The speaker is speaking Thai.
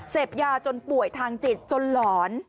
เสพยาจนป่วยทางจิตจนหลอน